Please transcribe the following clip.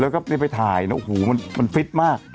แล้วก็ได้ไปถ่ายนะโอ้โหมันฟิตมาก